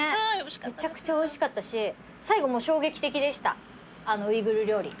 めちゃくちゃおいしかったし最後もう衝撃的でしたウイグル料理。